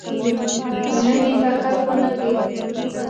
زړه مې طاقت ونکړ.